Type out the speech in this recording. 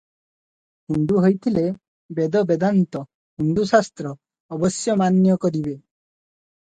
ହିନ୍ଦୁ ହୋଇଥିଲେ ବେଦ ବେଦାନ୍ତ ହିନ୍ଦୁଶାସ୍ତ୍ର ଅବଶ୍ୟ ମାନ୍ୟ କରିବେ।